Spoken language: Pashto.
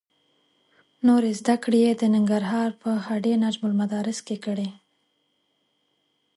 نورې زده کړې یې د ننګرهار په هډې نجم المدارس کې کړې.